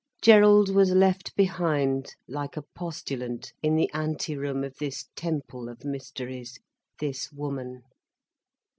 Gerald was left behind like a postulant in the ante room of this temple of mysteries, this woman.